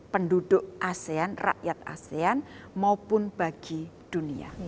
penduduk asean rakyat asean maupun bagi dunia